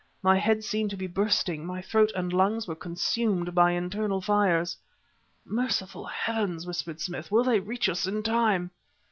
My head seemed to be bursting; my throat and lungs were consumed by internal fires. "Merciful heavens!" whispered Smith. "Will they reach us in time?"